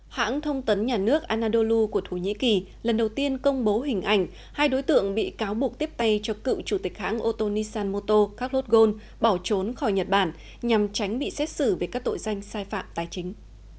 hãng thông tấn nhà nước anadolu của thổ nhĩ kỳ lần đầu tiên công bố hình ảnh hai đối tượng bị cáo buộc tiếp tay cho cựu chủ tịch hãng ô tô nissan moto carlos gon bỏ trốn khỏi nhật bản nhằm tránh bị xét xử về các tội danh sai phạm tài chính